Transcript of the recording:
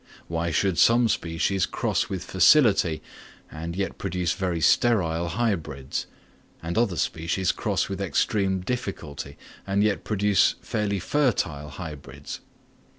Why should some species cross with facility and yet produce very sterile hybrids; and other species cross with extreme difficulty, and yet produce fairly fertile hybrids?